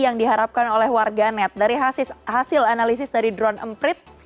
yang diharapkan oleh warganet dari hasil analisis dari drone emprit